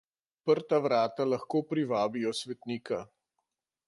Odprta vrata lahko privabijo svetnika.